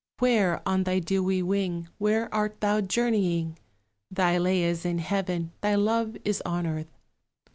Where, on thy dewy wing, Where art thou journeying? Thy lay is in heaven, thy love is on earth.